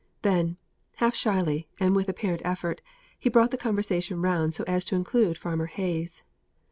Then half shyly, and with apparent effort, he brought the conversation round so as to include Farmer Hayes.